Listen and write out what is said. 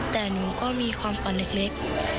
แต่หนูก็มีความฝันเล็ก